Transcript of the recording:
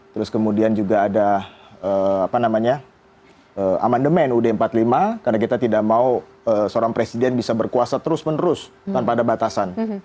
terus kemudian juga ada amandemen ud empat puluh lima karena kita tidak mau seorang presiden bisa berkuasa terus menerus tanpa ada batasan